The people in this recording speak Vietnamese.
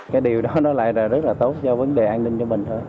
cái điều đó nó lại là rất là tốt do vấn đề an ninh cho mình thôi